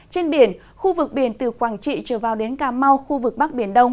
trên biển khu vực biển từ quảng trị trở vào đến cà mau khu vực bắc biển đông